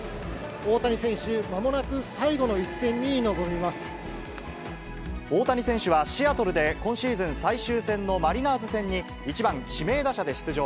大谷選手、大谷選手はシアトルで今シーズン最終戦のマリナーズ戦に、１番指名打者で出場。